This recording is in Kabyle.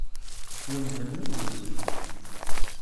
Yendem mi d-ilul.